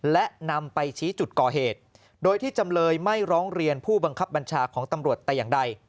และนำไปชี้จุดก่อเหตุโดยที่จำเลยไม่ร้องเรียนผู้บังคับบัญชาของตำรวจแต่อย่างใด